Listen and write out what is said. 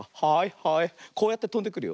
はい。